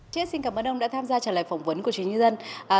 chị xin cảm ơn ông đã tham gia trả lời phỏng vấn của truyền hình nhân dân